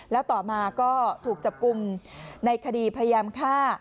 แล้วต่อมาก็ถูกจับกลุ่มในคดีพยายามฆ่า